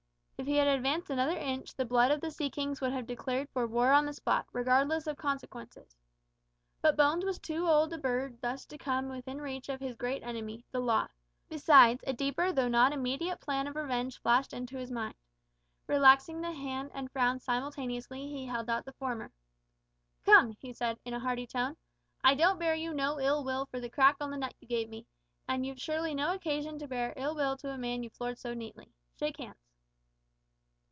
If he had advanced another inch the blood of the sea kings would have declared for war on the spot, regardless of consequences. But Bones was too old a bird thus to come within reach of his great enemy, the law. Besides, a deeper though not immediate plan of revenge flashed into his mind. Relaxing the hand and frown simultaneously, he held out the former. "Come," he said, in a hearty tone, "I don't bear you no ill will for the crack on the nut you gave me, and you've surely no occasion to bear ill will to a man you floored so neatly. Shake hands."